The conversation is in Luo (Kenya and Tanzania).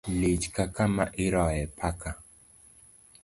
Lich ka kama iroye paka